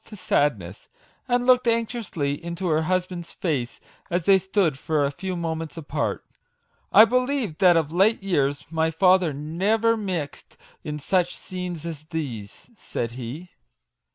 49 to sadness, and looked anxiously into her hus band's face as they stood for a few moments apart " I believed that of late years my father never mixed in such scenes as these/' said he.